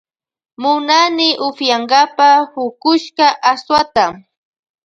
Munani upiyankapa pukushka aswata.